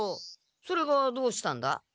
それがどうしたんだ？